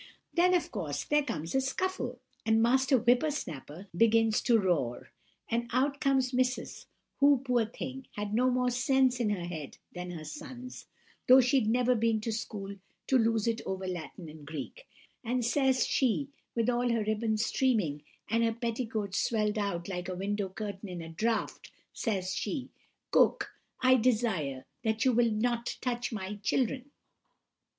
"Then, of course, there comes a scuffle, and Master Whipper snapper begins to roar, and out comes Missus, who, poor thing, had no more sense in her head than her sons, though she'd never been to school to lose it over Latin and Greek; and, says she, with all her ribbons streaming, and her petticoats swelled out like a window curtain in a draught—says she:— "'Cook! I desire that you will not touch my children!